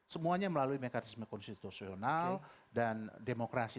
semuanya melalui mekanisme konstitusional dan demokrasi